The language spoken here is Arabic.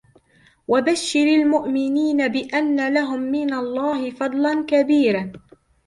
وبشر المؤمنين بأن لهم من الله فضلا كبيرا